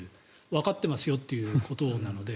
わかってますよということなので。